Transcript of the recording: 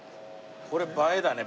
これ映えだね。